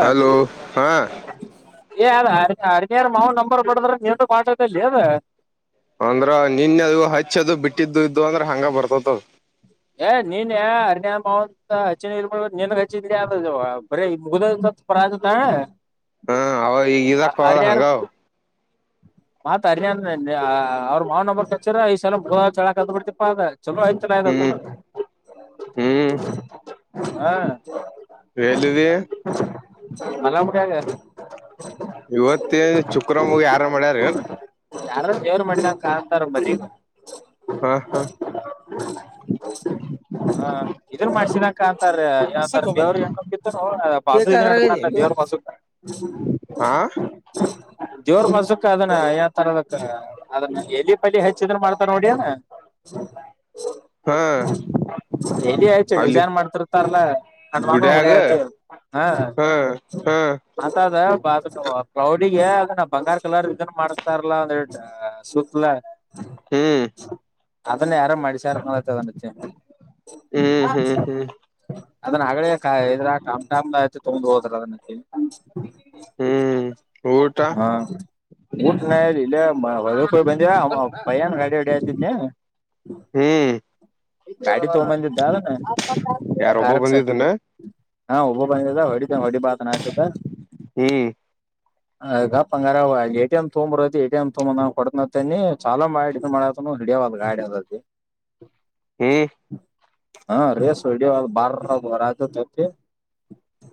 Hello ಹಾ ಏ ಅಡು ಅಡುಗೆ ಅಡುಗೆಯಾರ ಮಾವ ನಂಬರ್ ಕೊಟ್ರಂತೆ ಏನು ಪಾಜಕ ಜೋವೆ. ಅಂದ್ರೆ ನಿನ್ನೆ ಅದು ಹಚ್ಚದು ಬಿಟ್ಟಿದ್ದು ಅಂದ್ರ ಹಂಗ ಬರ್ತಿತು ಏ ನಿನ್ನೆ ಅಗ್ಣೆ ಮಾವಂತ ಹಚ್ಚಿನೖ ನಿನ್ಗ್ ಹಚ್ಚಿದ್ರ ಆದ್ರೂ ಬರೇ ಮುಗ್ದೋದು ಮತ್ತಿಪುರ ಅದನಾ. ಹ ಅವ ಇದಕ್ಕ ಹಂಗ ಅವು ಮಾತು ಅರಿಯನ್ ಹ್ರಾ ಅವರ ಮಾವನು ನಂಬರ್ ಕೊಚರ ಈ ಸಲ ಗ್ರೋ ಚಳ ಕದ ಬಿಡ್ತಿಪ್ಪ ಚಲೋ ಐತಿ ಹ್ಮ್ ಹ್ಮ್ ಹ ಎಲ್ಲಿದಿ ಮಲ್ಲಮು ಕಾಗೆ, ಇವತ್ತೆ ಚುಕ್ರಮಳಿ ಹಾರ ಮಾಡ್ಯಾರೇನು ಯಾರು ಕೇರು ಮಾಡಿಲ್ಲ ಕಾಣತಾರು ಬದಿಗ ಹಾ ಹಾ ಹಾ ಇದು ಮಾಡ್ಸಿಣಕ ಅಂತಾರೆ ಯಾವುತರ ಅರ್ಸಕ್ ಹೋಗ್ಬೇಡ ದೇವರಿಗೆ ಹಣ್ಣುಪಿತ್ತುನೋ ಬಾಜು ಇದುನ್ ಬೇಕಾದ್ರಾಗದಿ ನಡ್ತಾಲ್ಲ ದೇವ್ರ ಬಾಜುಗ, ಹಾ ಜೋರ್ ಮಸಕ್ ಅದನ್ನ ಯಾವ ತರದಕ್ಕ ಅದನ್ನ ಎಲ್ಲಿ ಪಲ್ಲಿ ಹೆಚ್ಚಿದ್ರ ಮಾಡ್ತಾರ ನೋಡ್ಯಾನ ಹಾ ಎಲೆಹಚ್ಚು ಆಯ್ತು ಅಲ್ಲಿ ಡಿಸೈನ್ ಮಾಡ್ತಿರ್ತಾರಲ್ಲ ಮಾಡ್ತಿರ್ತಾರಲ್ಲ ಕಂಡ್ಮ ಹೊಡಿ ಗುಡ್ಯಾಗ ಆಯ್ತ ಹ ಹಾ ಹಾ ಮಾತದ ಪಾತಚವ ಕ್ಲೌಡಿಗೆ ಅದನ್ನ ಬಂಗಾರು ಕಲರ್ ಇದನ್ ಮಾಡ್ತಾರಲ್ಲಾ ಒಂದ್ರೆಡ್ ಸೂತಲ ಹ್ಮ್ ಅದನ್ನು ಯಾರು ಮಾಡಿ ಸಾರ ತನಿಚನು ಹ್ಮ್ ಹ್ಮ್ [unintelligible] ಹ್ಮ್ ಅದನ್ನ ಅಳಲೆಕಾಯಿ ಇದ್ರ ಟಮ್ ಟಮ್ [unintelligible] ಹೋದ್ರ ಹ್ಮ್ ಊಟ ಹಾ ಊಟ ನ ಇಲೆ ಹೊಲುಕ್ಕೋಗ್ ಬಂದು ಭೈಯನ ಗಾಡಿ ಹೊಡಿತಿದ್ನಾ ಹ್ಮ್ ಗಾಡಿ ತಗೊಂಡ್ ಬಂದಿದ್ದ ಯಾರೊಬ್ಬ ಆರಸಂ ಬಂದಿದ್ದನ ಹಾ ಒ ಹುಡುಗ ಹೊಡಿ ತ ಹೊಡಿ ತ ಸನತಿದ್ದ ಹ್ಮ್ ಅ ಗ ಬಂಗಾರ ಎಟಿ ಎಂ ತಗಂಬರಐತಿ ಎ ಟಿ ಎಂ ತಂಬ ಕೊಡ್ತನನೆ ಚಾಲ ಮಾಡ ಮಾಡತ ಹಿಯವ ಗಾಡಿ ಅದತಿ ಹ್ಮ್ ಹಾ ರೇಸ್ ಹೊಡ ಬರ್ರ ಬರತಿ ಚಕ್ಕೆ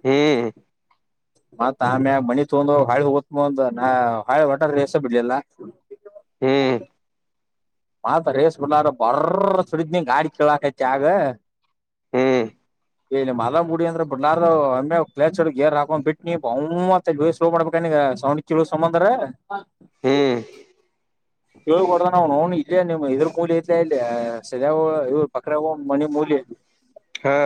ಹ್ಮ್ ಮತ್ತ ಆಮ್ಯ ಮಣಿ ತೊಗೊಂಡ ಹಾಳ ಹುತ್ ಮಂಜಮ್ಮಹಾಳು ಹೋಟೆಲ್ ಎಸ್ ಬಿಡ್ಲಿಲ್ಲ. ಹ್ಮ್ ಮಾತ ರೇಸ್ ಹುಲ್ಲಾರ ಬರ್ರ್ ಸರಿ ನೀ ಹಾಡು ಕೇಳಕ್ ಕತ್ತಿಯ ಹಾಗ ಹ್ಮ್ [inaudible] ಏ ನಿ ಮಲ ಗುಡಿ ಅಂದ್ರೆ ಬಿಡ್ಲಾರು ಅಂದ ಅತ್ಯಾಚಳಿ, ಏ ರಾಗನ್ ಬಿಟ್ಟ ನೀ ಬ [unintelligible] ಮ ಜೋ ಸಲೋ ಮಾಡ್ಬೇಕ ನೀ ಈಗ ಸೌಂಡ್ ಕೇಳೂ ಸಂಬಂದ್ರೆ ಹ್ಮ್ ಕೇಳ ಕೊಡ್ದ ನ ನೋ ಇಲ್ಲ ನಿಮ್ ಇದ್ರ ಮೂಲೆ ಇಲ ಇಲ್ಲಿ ಸದ್ಯ ಇವ್ ಪಕ್ರ ಹ ಮನಿ ಮೂಲಿ ಇಲ್ಲಿ ಹಾ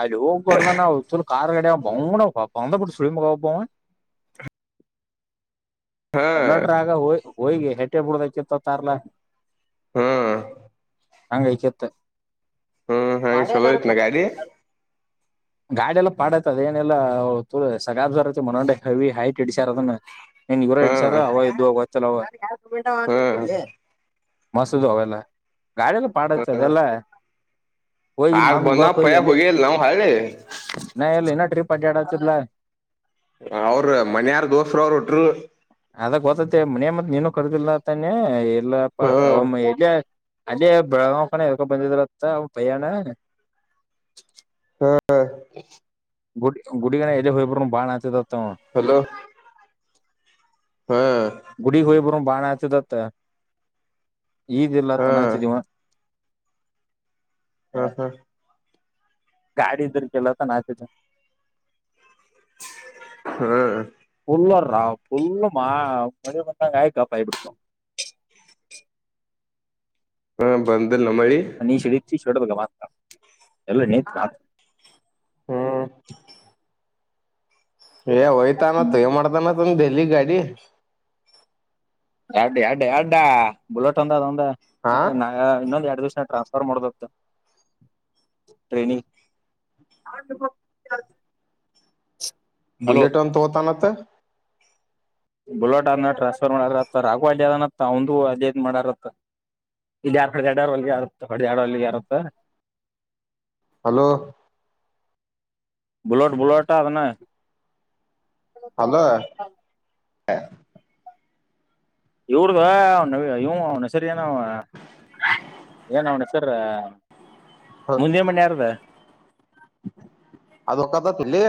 ಅಲ್ಲಿ ಯೂ ಹೂಡದಾನ ಅವ ಚ ಕಾರ್ ಕಡ ಬಣ ಪೌಂತ ಬಿಟ್ಟ ಸಳಿ ಮಗ ಒಬ್ಬವ ಕಂಡಟ್ರಾಗ ಹೂಯ್ ಹೋಗ್ಗಿ ಹೆಟ್ಟೆ ಬುಡದ ಆ ತರ್ಲ ಹ್ಮ್ ಹಂಗೈ ಕೆತ್ತ ಹ ಹಾ ಸಗಯಿತ ನ ಗಾಡಿ ಗಾಡಿ ಎಲ್ಲಾ ಪಾಡೈತ ಅದ ಏನೆಲ್ಲ ತ ಸಗಾದ ಬರ್ತಿ ಮನೊಂಡ ಹೆವಿ ಹೈಟ್ ಇಡಿಸ್ಯಾರ ಅದನ್ನ ನೀನ್ ಇವರ ಇಡ್ ಹ್ಮ್ ಸಾರ ಅವ ಇದುವ ಚಲ ಹ್ಮ್ [unintelligible] ಮಸೂದ ಅವೆಲ್ಲ ಗಾಡೆಲ್ಲ ಪಾಡ ಹ್ಮ್ ಅದೆಲ್ಲ ಹೋಗಿ ಇಲ್ಲಿ ಆಗ ಮತ್ ಬಂದ ಮುದೋಳಕ್ ಹೋಗಿ ಪಯ ಎಲ್ಲಿ ಹೋಗಿಲಲ್ಲ ಹೋಳ್ಳಿ ಪಂಡ್ಯಾಡಿತಲ್ಲ ಅವರು ಮನ್ಯಾರ್ ದೋಸರು ಅವರು ಹೊಟ್ರು ಮ ಮನ್ಯಾಗ ಮತ್ತ ನೀನು ಕರ್ದಿಲ್ಲ [inaudible] ಎಲ್ಲಪ್ಪಾ ಹ್ಮ್ ಹಮ್ಮಲ್ಲ ಅಲ್ಲಿ ಬೆಳಗಾವ ಕನ ಹೇಕೊ ಬಂದಿದ್ರತ್ತ ಭಯ್ಯಾಣ ಹ್ಮ ಗುಡಿ ಗುಡಿಗಡೆ ಎದೆೇ ಹ್ರ ಬಾಣಚತ ಹಲೋ ಹ್ಮ್ ಗುಡಿ ಹೂಗ ಬರೋ ಬಾಣಚ ತ್ತ ಈದಿಲ್ಲ ಹ್ಮ್ ಅನ್ನತಿದಿವ ಹಾ ಹಾ ಗಾಡಿದುರ ಕಲಂತ ನತದು ಹಾ ಫಲ್ಲ ಫುಲ್ಲ ಮಾ ಮ ಗಾಯಕಾ ಪಾಯ ಬಿಡಿತ ಹಾ ಬಂದ ಅ ಶರ ಶರಡ ಬ ಮ ಎಲ್ಲ ನತ್ ಹ್ಮ್ ಏ ಹೊಯ್ತಾ ಅಾನತ್ ಮಾಡ್ತಾನ ಬಲಿ ಗಾಡಿ ಎಡ್ ಎಡ್ ಎಡ್ಡ ಬುಲೆಟ್ ಒಂದ ಅದಂದು ಹಾ ಾ ಇನ್ನೊಂದ ಎರಡು ದಿವ ಾನ್ಫ ಮಾಡ ಬುಲೆಟನ್ ತತ ನ ಹತ್ತ ಬುಲೋಟ್ನ್ನ ಟ್ರಾನ್ಸ್ಫರ್ ಮಾಡತ್ತ ರಾಘೋಲ್ದನತ್ತ ಅವಂದು ಅದನ್ ಮಾಡಾರತ್ತ ಇ ಯಾರ್ ಹೊ ಎರಡ ಹೊಲ್ಗೆ ಆತ್ತ ಹೊಡ್ದ ಎರಡ್ಗೆ ಯಾರತ್ತ ಹಲೋ ಬಲಟ ಬಲಟ ಆದದನ್ನ [inaudible] ಹ ಇವ್ರದ್ದ ಅವನ ಇ್ ಅವನ ಹೆಸರು ಏನ ಏನ ಅವನ ಹೆಸರ ಮುಂದಿನ ಮಣ ನರದ ಅದು ಒಕ್ಕತತಿಲ್ಲಿ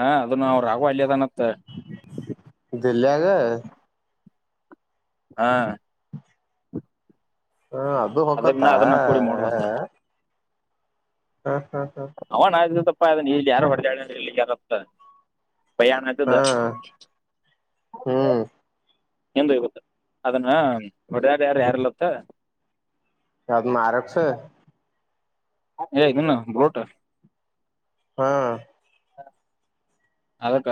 ಹಾ ಅದು ನಾವು ರಾವ ಅಲ್ಿಯದನ ದಲಿ ಆಗ ಹಾ ಹ ಅದು ಹಕತ್ತಾ ಅದನ್ನ ಅದನ್ನ ಕೂಡಿ ಮಾಡ್ದ ಹಾ ಅವನ್ ಆಯ ಪ್ಪ ಅದ ಇಲ್ಲಿ ಯಾರು ಹೊರ್್ದಾಳ ಅಂದ್ರೆ ಇಲ್ಲಿ ಯಾರತದೆ ಪಯಾನ ತು ಹ ದ ಹ್ಮ್ ಎಿಂದ ಇವತ್ತ ಅದನ್ನ ಒಡನಾಡಿ ಯಾರು ಯಾರಲ್ಲತ್ತ ಯತ್ಮ ಆರೋಗಕ್ಷ ಏ ನಿನ್ನ ಬರೋಟ ಹಾ ಅಲಕ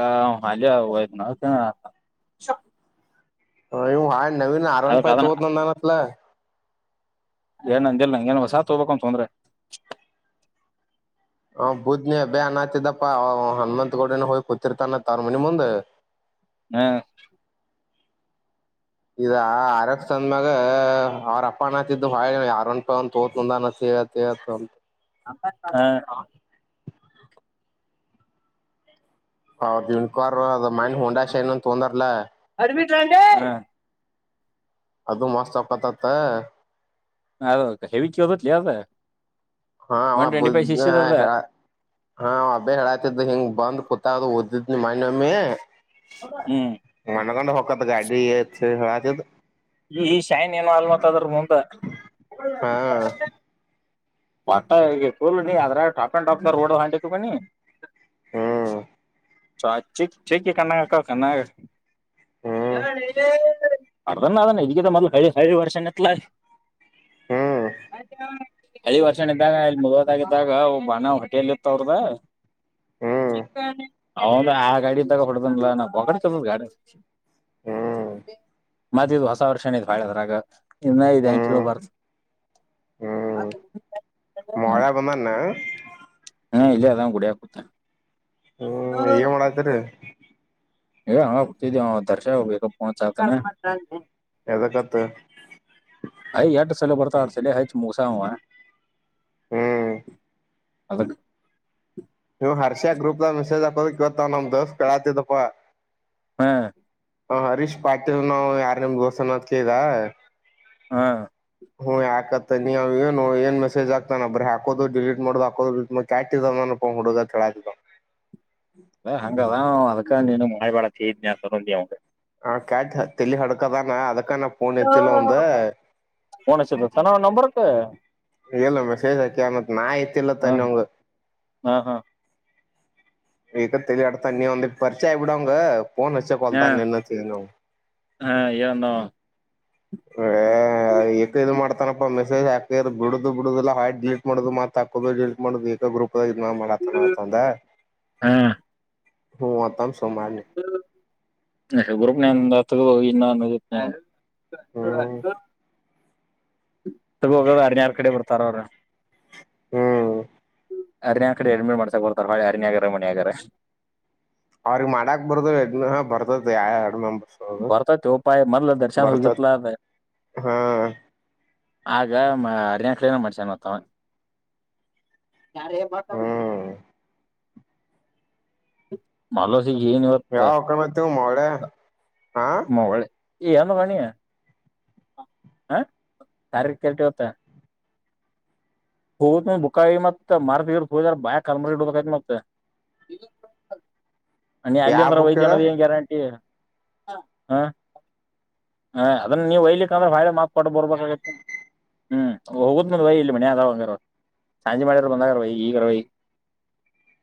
ಹಾಲ ನತ ಹ ಇವು ಹಾ ನವನ್ ಅರಣ ಅದನ್ನ ಪಾಯಿತೋದ ನಂದಾನತ್ಲ್ಲ ಏನ್ ನಂಗಲ್ ನಂಗೆಏನ್ ಹೊಸಾ ತ ಹೋಗಬೇಕಕ್ಂತ ತೊಂದ್ರೆ ಹ ಬೂದ್ನಿ ಅಬೇ ಅನ್್ತದಪ್ಪಾ ಹನುಮಂತ್ ಗೌಡನ ಹೋಗಿ ಕೂತಿರ್ತಾನ ತಾರಮನಿ ಮುಂದ್ ಹಾ ಇದ ಅರಕ್ ಸಂದ್ಮ್ಯಾಗ ಅವ್ರಪ್ಪ ಅಣತಿದ್ದ ಹೊಾಳ ಯಾರಂಪ ಒ ತೋತಂದ ಅನಸ ಇತ ಅಂತ ಹಾ ಹೌ ದಿನಕಾರ ಅದ ಮೈ ಹುಂಡಾಷೆ ನನ್ ತೊಂದರ್ಲಾ ನಬಟ್ರ ಅದು ಮಸ್ತ್ ಆಕತ್ತತ್ತ ಅದ ಹೆವಿ ಕೇಳದಲಿ ಅದೆ ಹಾಬ ಹ ಅಬ್ಬೇ ಹೇಳತಿದ್ದ ಹಿಂಗ ಬಂದ್ ಪಾ ವ ಮಾಡೇ ಹ್ಮ್ ಗಾಡಿ ಇ ಹಚ ಈ ಶೈನ್ ಏನ ಅಲ್ಮತ್ ಅದ್ರ ಮುಂದ ಹಾ ಪಟ್ಟ ನೀ ಅದ್ರ ಟಾಪ್ ಅಂಡ್ ಟಾಪ್ ರೋಡ್ ಹಾಟಿಕ ನೀಿ [inaudible] ಹ್ಮ್ ಚ ಚ ಚ ಕನ್ನಾಗಕ್ಕ ಕನ್ನ ಹ್ಮ್ ಯಾಣ ಅರ್ದನ್ನ ಅದ ಇದಗ ಮೊದ್ಲು ಹ ಹ ವರ್ಷ ಎತ್ಲ ಹ್ಮ್ ಅದ ಎಳಿ ವರ್ಷಣ ಇದ್ದಾಗ ಅಲ್ಲಿ ಮುದಾಗಿದ್ದಾಗ ಬಾಣ ಹೊಟ್ಟಿಯೆಯಲ್ಲಿ ಇತ್ತ ಅವ್ರದ ಹ್ಮ್ ಅವ ಆ ಗಾಡಿ ಇದ್ದಾಗ ಹೊಡದನ್ಲ್ಲ ನಾ ಹೊಗಡೆತದದ ಗಾಡಿ ಹ್ಮ್ ಮತ್ತಿದ ಹೊಸ ವರ್ಷ ಭಾಳದ್ರಾಗ ಇನ್ನ ಇ್ಯಾಂಗ ಕೇಳ ಬಾರ ಹ್ಮ ಮರ ಬನ್ನಾ ನ ಹಾ ಇಲ್ಲ ಅದಂಗ ಗುಡಿಯಾಕುತ್ತ ಹ್ಮ್ ಏನ್ ಮಾಡತರಿ [unintelligible] ದರ್ಶ ಬೇಗ ಪಚಾತ ಎದಕತ್ತ ಅಯ ಎಟ ಸಲ ಬರ್ತಾ ಆಡ್ಸಲ ಹೆಯಚ್ಚ ಮಸ ಅವ ಹ್ಮ್ ಅದ ನೀವವು ಹರ್ಷ ಗ್ರೂಪ್ ದ ಮೆಸೇಜ್ ಹಾಕೋಕ್ ಇವತ್ತ ನಮ್ ದೋಸ್ ಕಳಾತಿದಪ್ಪಾ ಹ್ಮ ಹ ಹರೀಶ್ ಪಾಟೀಲ್ ನಾವ್ ಯಾರ್ ನಿಮ್ ಗೋಸನ್ನೋದ್ ಕ್ದ ಹಾ ಹ್ಮ್ ಯಾಕತ್ತ ನೀವ ಏನು ಏನ್ ಮೆಸೇಜ್ ಆಗ್ತಾನ ಬರ್ರ ಹಾಕೋದು ಡಿಲೀಟ್ ಮಾಡುದು ಹಾಕೋದು ಕಿದ ಂಗಡೋದ ಚಳ ಹಂಗದ ಅದ ನೀನು ಮಳೆ ಬಾತ ಇದ್ಯ ತೊಿ ಅವಗೆ ಹ ಕ್ಯಾಟ್ ತಲ್ಲಿ ಹಡಕದಾನ ಅದಕ್ ಣ ಫೋನ್ ಚಿನ್ನ ನಂಬರ್ ಹಾ ಇಲ್ಲ ಮೆಸೇಜ್ ಹಾಕಿದ ನಾ ಯ್ತಿಲ್ಲ ಹ ತನ್ನ ಹಂಗ ಹ ಹ ಹ ಈಗ ತಿ ಇಡ ತ ನೀಿಯ ಒಂದ ಪರಿೀಚೆ ಆಯಬ ಬಿಡಂಗ ಫೋನ್ ಹಚ್ಚ ಕೊಲ್ತಾ ಇನ ನಾವು ಹಾ ಏನೋ ಹ ಏಕ ಇ ಮಾಡ್ತಾನಪ್ಪಾ ಮೆಸೇಜ್ ಹಾಕ ಬಿಡುದು ಬಿಡುದಿಲ್ಲಾ ಡಿಲೀಟ್ ಮಾಡುದು ಮತ್ ಹಾಕುದು ಡಿಲಟ್ ಮಾಡುದು ಗ್ರೂಪ್ ಮ ಮಾಡಲಾತನ ತಂದ ಹ ಊ ಅಂತ ಹೋಗಂ ಬಾಲೆ ನಂದ ಹೋಗ ಇನ್ನ ಅಂದು ರಾಥೋ ಹ್ಮ್ ರತೋ ಇೋಗ ಅರೆ ಯಾರ ಕಡೆ ಕೊರ್ತಾರ ಅವರ ಹ್ಮ್ ಅರಣ್ಯ ಕಡೆ ಎಳ್್ಮೀಡ್ ಮಾಡ್ತ ಹೋಲ್ತಾರ ಭಳೆ ಅರಣ್ಯ ಆಗಾರ ಮನಿ ಆಗಾರ ಅವ್ರಗ್ ಮಾಡಾಕ್ ಬರದು ಎ ಬರ್ತದ ಯ ಎರ ಮ ಭರ್ತತ ಉಪಾಯ ಮೊದಲು ದರ್ಶನಸಲ ಹಾ ಆಗ ಮ ಅರಣ್ಯ ಕಳ ಮಾಡ್ಸನ್ ಮತ್ತವ ಯಾರೆ ಎ ಬತ್ತ ಹ್ಮ್ ಮಲ ಯಾವ ಹಕ ಮ ತ ಮಾಡ ಹ ಮೊಲೆ ಅನು ಬಣಿಯ ಹ ಕಾರ ಕೆತ್ತ ಹೋಗ ಬುಕಾಯಿ ಮತ್ತ ಮಾರ್ತಿ ಇ ಹದ ಬಾಯ ಕಲ್ ಬ ಮತ್ತ ಅ ಅಲ್ಲಿ ಯಾವ ಅಂದರ ಬುಕ್ ಹೇಳ ವೈದಏನಏ ಗ್ಯಾರಂಟಿ ಹ್ಮ ಹ ಅದನ್ನ ನೀವು್ ಒಯ್ಲಿಕ್ಕೆ ಅಂದ್ರೆ ಬಾಳೆ ಮಾಕ್ ಕೊಟ್ಟು ಬರ್ಬೇಕ ಹ್ಮ್ ಹೋಗುದಂದ ವಯ ಮ ಸಂಜೆ ಮಾಡಿದ್ರ ಬಂದಾಗರವ ಈಗರೈ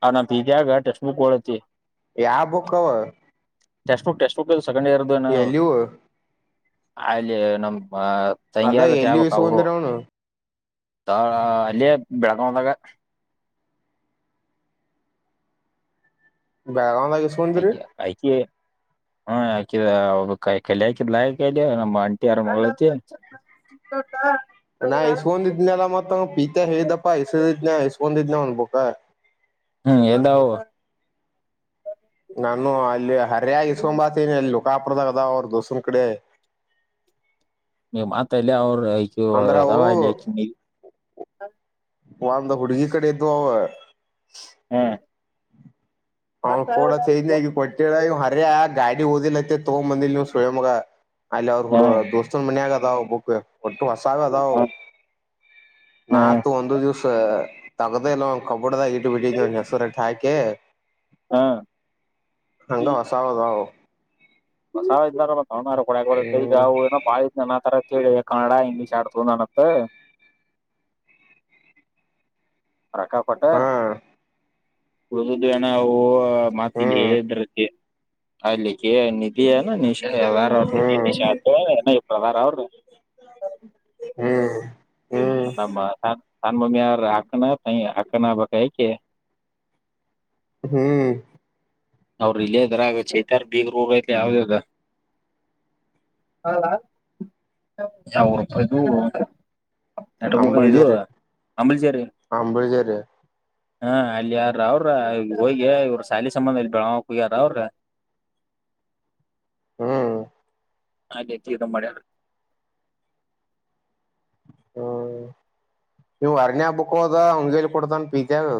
ಅವ ನ ಇದಾಗ ಟೆಕ್ಸ್ಟ್ ಬುಕ್ ಓಡತ್ತತಿ ಎ ಆ ಬುಕ್ ಹವ text book text book second ಇಯರ್್ದನ ಅಲ್ಲಿ ನಮ್ ಮ ಅದ ತಂಗ್ಯಾರತಿ ಎಲ್ಲಿ ಯಬಕ್ ಅವರು ಇಸ್ಕೊಂಡಿರ ಅವನು ಹಾ ಆ ಅಲ್ಲಿಯೇ ಬೆಳಗಾವದಾಗ ಬೇಳಗಾವ್ದಸ ಮಂದಂತ ರ ಹಾ ಯಾಕಿದ ಅವ ಕಲಿ ಹಾಕಿದ್ಲಾ ಕಲಿ ನಮ್ಮ ಅಂಟಿ ಯಾರ ಮಳತಿ ನಾ ಇಸ್ಕೊಂಡಿದ್ನಲ್ಲ ಮತ್ತ ಪೀತ ಹೇಳ್ದಪ್ಪಸಿದ್ನಸ್ೊಂಡ ಬಂದಿದ್ದಲ ಒನು ಪಕ್ಕ ಹ್ಮ್ ಎದಾವ ನಾನು ಅಲ್ಲಿ ಹರ್ಯಾಗಿ ಇಸ್ಕೊಂಬಾತನಿ ಅಲ್ಲಿ ನುಕಾಪುರದಾಗದ ಅವ್ರ ದೋಸನ ಕಡೆ ನೀ ಮಾತಲ್ಲಿ ಅವ್ರು ಅಂದ್ರ ಯದ ಅವು ವಲ್ಲ ಒ ಅಂದ ಹುಡ್ಗಿ ಕಡೆ ಇ್ದು ಅವವ ಹಾ ಅವ್ ಕೂಡ ಸೈನ ಕೊಟ್ಟ ಅರೆ ಆ ಗಾಡಿ ಓದಿಲ್ಲತ್ತತೆ ತೋ ಮಂದಿ ಸಳೆ ಮಗ ಅಲ್ಲಿ ಅವ್ರು ಹುಡು ಹ್ಮ್ ದೋಸ್ತನ್ ಮಯಾಗಗ ಹ ಬ ಒಟ್ಟು ಹೊಸಾವೆ ಅದ ಹ್ಮ್ ನಾ ತ ಒಂದು ದಿವಸ ತಗದೆೇಲ್ಲ ಕ ಕಡಾ ಇಿ ಬಿಟ್ಟಿು ಸ ಹಾಿ ಕೆ ಹ್ಮ್ ಹಂಗ ಹೊಸಾವದಾವ ಹೊಸವು ಅವನಾರ ಕೊ ಈಗ ಹ್ಮ್ ಏೋ ಬಾಳ ನ ಆ ತರ ಕೇಳ ಕನ್ನಡಾ ಇಂಗ್ಲೀಷ್ ಅಡ್ತಂದನುತ್ತ ರಕ್ಕಾ ಕೊಟ್ಟ ಹಾ ಓದದ್ಣ ಮಾತಿಲ್ಲಿ ಹ್ಮ್ ಹೇಳ್ರಕ್ಕೆ ಅಲ್ಲಿ ನಿಧಿ ಏನ ನಿಶಾ ಯಾರ ಅವ ನಿಧಿ ಹ್ಮ್ ನಿಶಾ ಅವ್ರರು ಹ್ಮ್ ಹ್ಮ್ ಹಾಮ ಹಾ ತಾನು ಮಮ್ಮಿ ಯಾರ ಆಾಕನಾ ಆಕನ ಬಕಾಯಕ್ಕೆ ಹ್ಮ್ ಅವರು ಇಲ್ಲಿದರಗ ಚೇತಾರ್ ಬೀಗ್ರ ಊರಐ ಯಾವ್ದದ ಇದು ಅಂಬಳಗೇರಿ ಅಂಬಲ್ಚೇರಿ ಅಂಬಳಗೇರಿ ಹಾ ಅಲ್ಲಿ ಯಾರ ಅವ್ರ ಈ ಹೋಗಗೆ ಇವ್ರ ಶ್ಯಾಲಿ ಸಂಬಂಧ ಇ ಬಳಕ್ಯಾರ ಅವ್ರ ಹ್ಮ್ ಹಾ ಗತದು ಮ ಹ್ಮ ನೀವ್ ಅರ್ನ್ಯ ಹಬ್ಬಕ್ಕ ಹೋದ ಅಂಗಲಿ ಕೊಡ್ತನ್ ಪೀತಾಗ